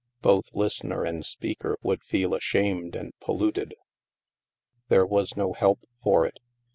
Both listener and speaker would feel ashamed and polluted. There was no help for it.